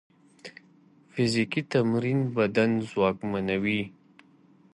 فزیکي تمرین بدن ځواکمنوي.